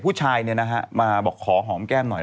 ผู้ชายมาบอกขอหอมแก้มหน่อย